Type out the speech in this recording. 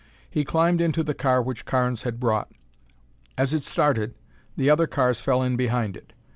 He climbed into the car which Carnes had brought. As it started the other cars fell in behind it.